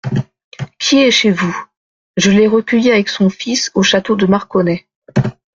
Qui est chez vous ? Je l'ai recueillie avec son fils au château de Marconnay.